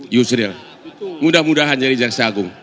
yusril mudah mudahan jadi jaksa agung